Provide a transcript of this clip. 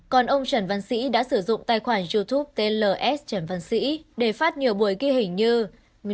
còn ông trần văn sĩ đã sử dụng tài khoản youtube tên ls trần văn sĩ để phát nhiều buổi ghi hình như